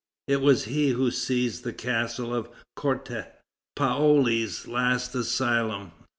It was he who seized the castle of Corte, Paoli's last asylum.